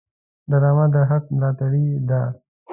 ډرامه د حق ملاتړې ده